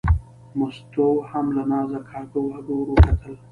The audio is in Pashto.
مستو هم له نازه کاږه واږه ور وکتل.